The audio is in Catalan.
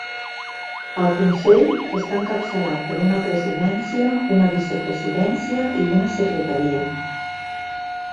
El Consell està encapçalat per una presidència, una vicepresidència i una secretaria.